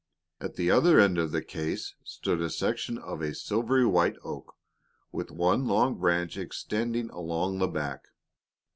At the other end of the case stood a section of a silvery white oak, with one long branch extending along the back.